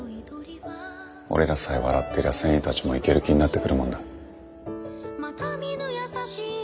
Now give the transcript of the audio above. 俺らさえ笑ってりゃ船員たちもイケる気になってくるもんだ。